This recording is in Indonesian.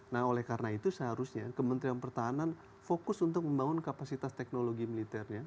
nah oleh karena itu seharusnya kementerian pertahanan fokus untuk membangun kapasitas teknologi militernya